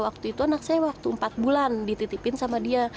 waktu itu anak saya waktu empat bulan dititipin sama dia